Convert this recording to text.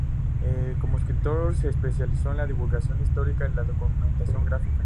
Como escritor se especializó en la divulgación histórica y la documentación gráfica.